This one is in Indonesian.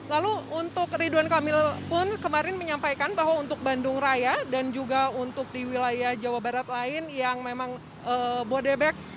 lalu untuk ridwan kamil pun kemarin menyampaikan bahwa untuk bandung raya dan juga untuk di wilayah jawa barat lain yang memang bodebek